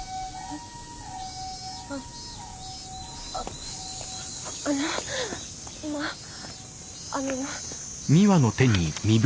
ああっあの今あの。